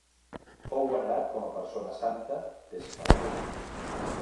Fou venerat com a persona santa des que va morir.